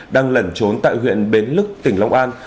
đang lẩn trốn tại huyện bến lức tỉnh long an